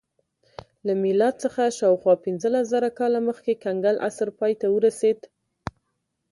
له میلاد څخه شاوخوا پنځلس زره کاله مخکې کنګل عصر پای ته ورسېد